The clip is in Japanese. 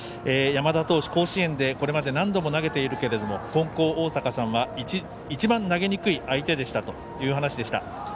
山田投手、甲子園でこれまで何度も投げているけれども金光大阪さんは一番投げにくい相手でしたというお話でした。